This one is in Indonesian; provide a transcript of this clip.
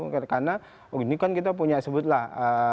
karena ini kan kita punya sebutlah